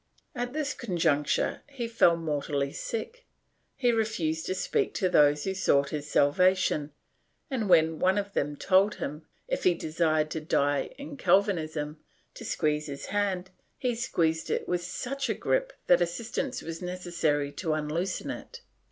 At this conjuncture he fell mortally sick; he refused to speak to those who sought his salvation and, when one of them told him, if he desired to die in Calvinism, to squeeze his hand, he seized it with such a grip that assistance was necessary to unloosen it.